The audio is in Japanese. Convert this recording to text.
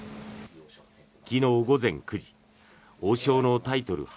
昨日午前９時王将のタイトル初